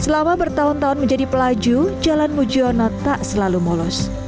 selama bertahun tahun menjadi pelaju jalan mujono tak selalu mulus